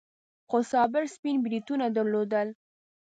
خو صابر سپين بریتونه درلودل.